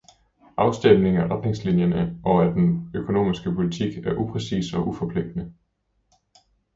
Afstemningen af retningslinjerne og af den økonomiske politik er upræcis og uforpligtende.